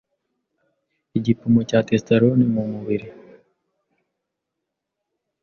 igipimo cya testosterone mu mubiri,